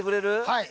はい。